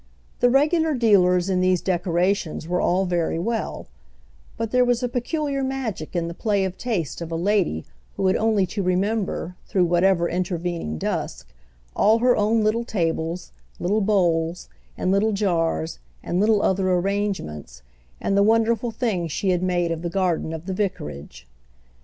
The regular dealers in these decorations were all very well; but there was a peculiar magic in the play of taste of a lady who had only to remember, through whatever intervening dusk, all her own little tables, little bowls and little jars and little other arrangements, and the wonderful thing she had made of the garden of the vicarage.